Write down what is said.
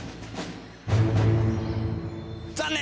残念！